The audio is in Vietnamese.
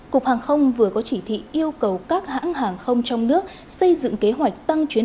cục hàng không vừa có chỉ thị yêu cầu các hãng hàng không trong nước xây dựng kế hoạch tăng chuyến